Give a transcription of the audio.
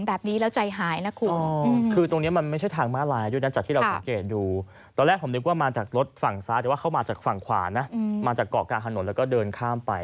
มาจากเกาะกลางถนนแล้วก็เดินข้ามไป